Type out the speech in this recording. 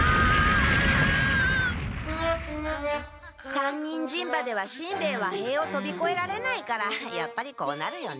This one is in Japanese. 三人人馬ではしんべヱは塀をとびこえられないからやっぱりこうなるよね。